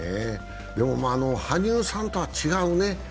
でも、羽生さんとは違うね。